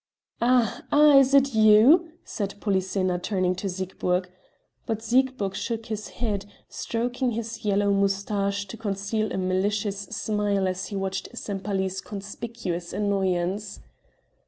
"Ah, ah! Is it you?" said Polyxena turning to Siegburg. But Siegburg shook his head, stroking his yellow moustache to conceal a malicious smile as he watched Sempaly's conspicuous annoyance.